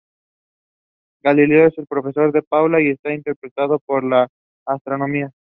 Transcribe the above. Galileo es profesor en Padua y está interesado por la astronomía.